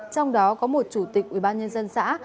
trong đó có một chủ tịch ubnd xã